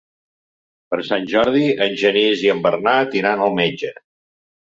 Per Sant Jordi en Genís i en Bernat iran al metge.